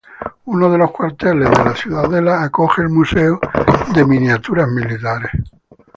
Uno de los cuarteles de la Ciudadela acoge el Museo de Miniaturas Militares.